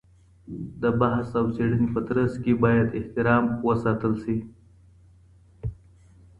د بحث او څيړني په ترڅ کي بايد احترام وساتل سي.